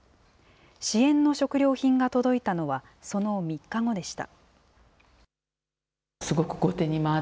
支援の食料品が届いたのは、その３日後でした。